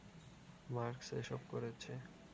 Marks এসব করেছে।